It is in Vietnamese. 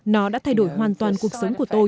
nó đã thay đổi hoàn toàn cuộc sống của tôi